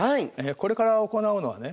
これから行うのはね